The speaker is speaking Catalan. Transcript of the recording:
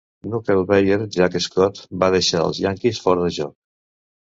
Knuckleballer Jack Scott va deixar als Yankees fora de joc.